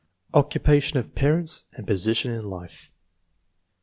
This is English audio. OCCUPATION OF PARENTS AND POSITION IN LIFE.